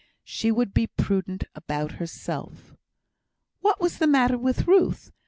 She would be prudent about herself. What was the matter with Ruth?